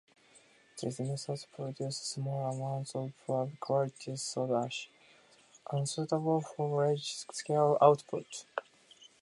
These methods produced small amounts of poor quality soda ash, unsuitable for large-scale output.